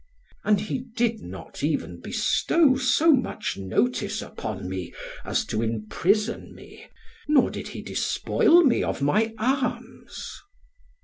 And he did not even bestow so much notice upon me, as to imprison me, nor did he despoil me of my arms.